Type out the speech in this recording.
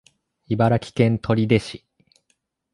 茨城県取手市